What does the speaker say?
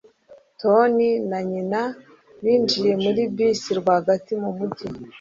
tony na nyina binjiye muri bisi rwagati mu mujyi